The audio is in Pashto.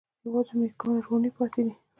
یوازې مېکاروني پاتې ده.